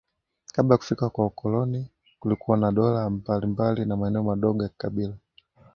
Kabla ya kufika kwa ukoloni kulikuwa na dola mbalimbali na maeneo madogo ya kikabila